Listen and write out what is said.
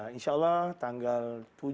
insya allah tanggal tujuh